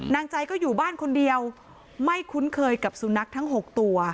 นางใจก็อยู่บ้านคนเดียวไม่คุ้นเคยกับสุนัขทั้ง๖ตัว